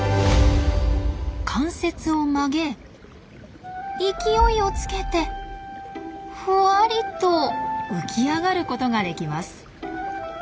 関節を曲げ勢いをつけてふわりと浮き上がることができます。